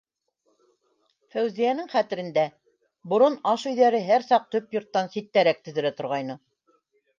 Фәүзиәнең хәтерендә: борон аш өйҙәре һәр саҡ төп йорттан ситтәрәк төҙөлә торғайны.